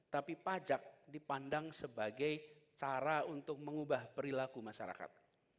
tapi pajak dipandang sebagai cara untuk mengubah perilaku masyarakat